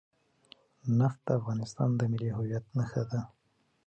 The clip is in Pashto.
نفت د افغانستان د ملي هویت نښه ده.